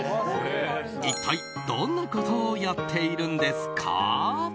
一体、どんなことをやっているんですか？